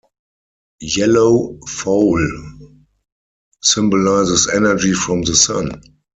Yellow foal symbolizes energy from the Sun.